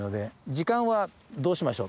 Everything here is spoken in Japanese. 時間はどうしましょう？